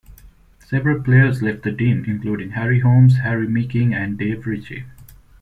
Several players left the team, including Harry Holmes, Harry Meeking and Dave Ritchie.